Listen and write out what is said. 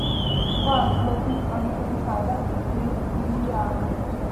ქვა ადგილობრივი წარმოშობისაა და ფლეთილია.